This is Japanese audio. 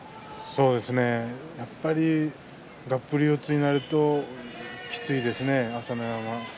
やっぱりがっぷり四つになるときついですね、朝乃山。